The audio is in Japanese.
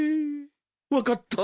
分かった。